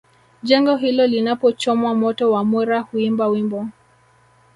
Jengo hilo linapochomwa moto wamwera huimba wimbo